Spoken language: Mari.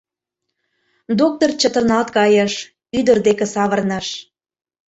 Доктыр чытырналт кайыш, ӱдыр деке савырныш.